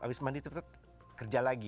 habis mandi tetap kerja lagi